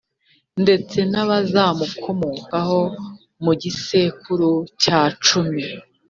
ndetse n’abazamukomokaho mu gisekuru cya cumi,